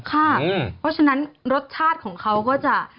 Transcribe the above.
เพราะฉะนั้นรสชาติของเขาก็จะ